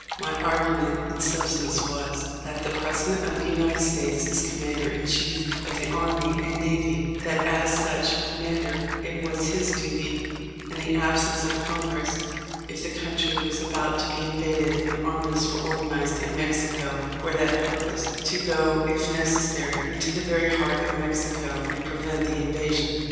My argument in substance was : That the President of the United States is Commander in Chief of the Army and Navy; that as such com mander it was his duty, in the absence of Congress, if the country was about to be invaded and armies were organized in Mexico for that purpose, to go 1 — if necessary — into the very heart of Mexico and prevent the invasion.